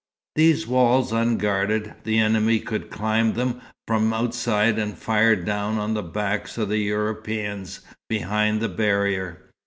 These walls unguarded, the enemy could climb them from outside and fire down on the backs of the Europeans, behind the barrier.